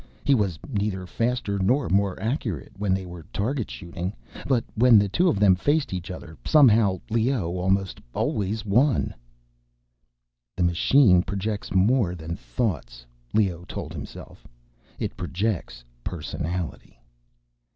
He was neither faster nor more accurate, when they were target shooting. But when the two of them faced each other, somehow Leoh almost always won. The machine projects more than thoughts, Leoh told himself. _It projects personality.